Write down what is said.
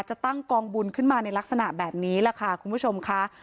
ตั้งกองบุญขึ้นมาในลักษณะแบบนี้แหละค่ะคุณผู้ชมค่ะ